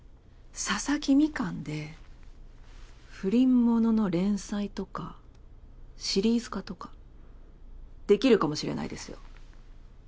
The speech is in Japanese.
ささき蜜柑で不倫ものの連載とかシリーズ化とかできるかもしれないですよ。